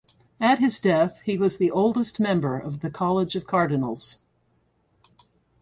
At his death he was the oldest member of the College of Cardinals.